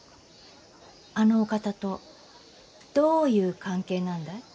あのお方とどういう関係なんだい？